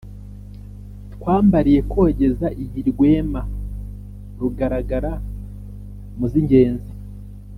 twambariye kogeza iyi rwema rugaragara mu z'ingenzi ;